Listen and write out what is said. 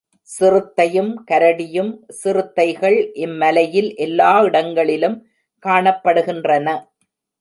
சிறுத்தையும் கரடியும் சிறுத்தைகள் இம் மலையில் எல்லா இடங்களிலும் காணப்படுகின்றன.